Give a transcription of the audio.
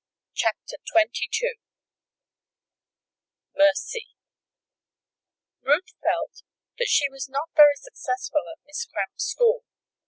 CHAPTER XXII MERCY Ruth felt that she was not very successful at Miss Cramp's school.